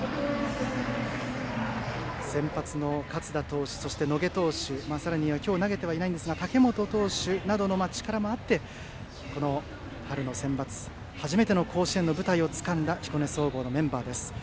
先発の勝田投手、そして野下投手さらには今日投げてはいないんですが武元投手などの力もあって春のセンバツ初めての甲子園の舞台をつかんだ彦根総合のメンバーです。